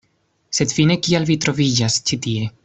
Sed fine kial vi troviĝas ĉi tie?